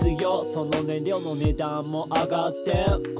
「その燃料の値段も上がってる」